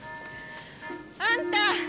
あんた！